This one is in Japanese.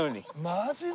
マジで？